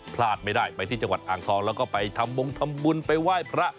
พลาดไม่ได้ไปที่จังหวัดอ่างทองแล้วก็ไปทำบงทำบุญไปไหว้พระ